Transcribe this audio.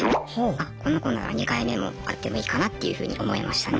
あこの子なら２回目も会ってもいいかなっていうふうに思いましたね。